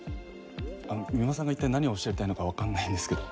三馬さんが一体何をおっしゃりたいのかわからないんですけど。